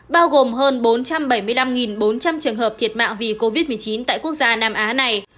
bao gồm hơn bốn trăm bảy mươi năm bốn trăm linh trường hợp thiệt mạng vì covid một mươi chín tại quốc gia nam á này